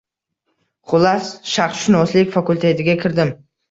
Xullas, Sharqshunoslik fakultetiga kirdim